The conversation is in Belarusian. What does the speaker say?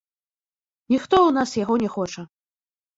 Ніхто ў нас яго не хоча.